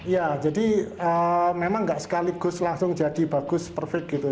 ya jadi memang nggak sekaligus langsung jadi bagus perfect gitu